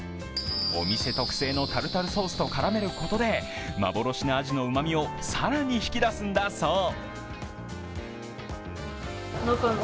お店特製のタルタルソースと絡めることで幻の味のうまみを更に引き出すんだそう。